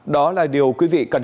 đó là điều quý vị cần phải làm